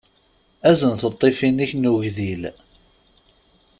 Azen tuṭṭfiwin-ik n ugdil.